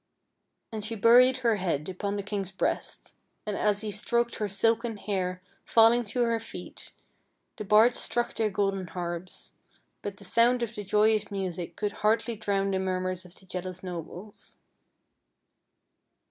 And she buried her head upon the king's breast, and as he stroked her silken hair falling to her feet, the bards struck their golden harps, but the sound of the joyous music could hardly drown the murmurs of the jealous nobles.